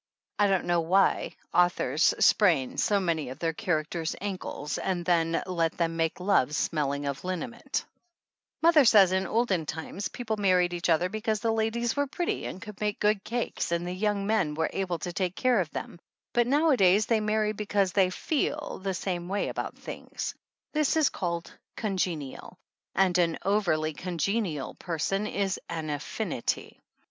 I don't know why authors sprain so many of their characters' ankles, and then let them make love smelling of liniment. 107 THE ANNALS OF ANN Mother says in olden times people married each other because the ladies were pretty and could make good cakes and the young men were able to take care of them, but nowadays they marry because they "feel" the same way about things. This is called congenial, and an overly congenial person is an "affinity."